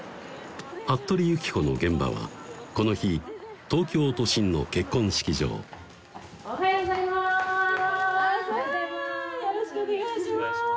服部由紀子の現場はこの日東京都心の結婚式場おはようございますあおはようございます